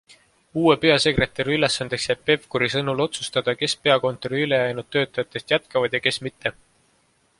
Uue peasekretäri ülesandeks jääb Pevkuri sõnul otsustada, kes peakontori ülejäänud töötajatest jätkavad ja kes mitte.